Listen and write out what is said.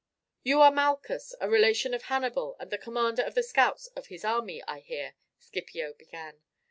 "You are Malchus, a relation of Hannibal, and the commander of the scouts of his army, I hear," Scipio began.